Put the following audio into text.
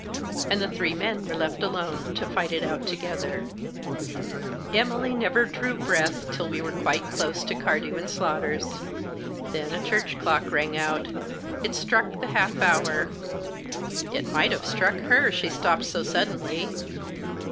And the three men were left alone to fight it out together, Emily never drew breath till we were quite close to Cardew & Slaughter's. Then a church clock rang out. It struck the half hour. It might have struck her, she stopped so suddenly.